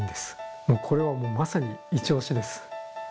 これはもうまさにイチオシです。